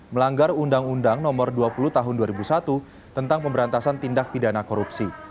melanggar undang undang nomor dua puluh tahun dua ribu satu tentang pemberantasan tindak pidana korupsi